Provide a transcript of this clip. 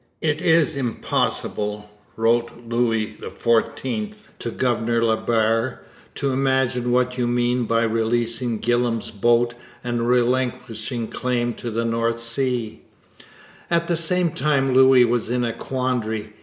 'It is impossible,' wrote Louis XIV to Governor La Barre, 'to imagine what you mean by releasing Gillam's boat and relinquishing claim to the North Sea,' At the same time Louis was in a quandary.